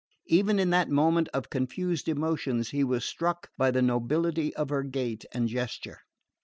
Even in that moment of confused emotions he was struck by the nobility of her gait and gesture.